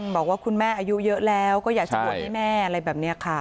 บอกว่าคุณแม่อายุเยอะแล้วก็อยากจะบวชให้แม่อะไรแบบนี้ค่ะ